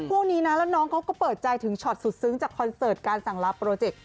คู่นี้นะแล้วน้องเขาก็เปิดใจถึงช็อตสุดซึ้งจากคอนเสิร์ตการสั่งลาโปรเจกต์